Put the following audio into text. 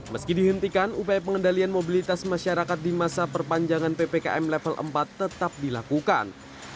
meski dihentikan upaya pengendalian mobilitas masyarakat di masa perpanjangan ppkm level empat tetap dilakukan